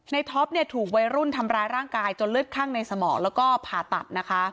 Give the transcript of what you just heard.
ในท็อปถูกไว้รุ่นทำร้ายร่างกายจนลึกข้างในสมองแล้วก็ผ่าตัด